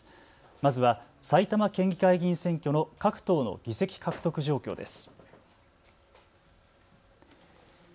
まずは埼玉県議会議員選挙の各党の議席獲得状況です。